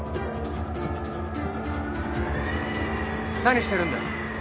何してるんだよ？